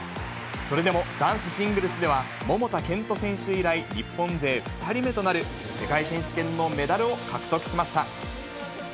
それでも男子シングルスでは、桃田賢斗選手以来日本勢２人目となる、世界選手権のメダルを獲得しました。